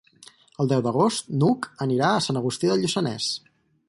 El deu d'agost n'Hug anirà a Sant Agustí de Lluçanès.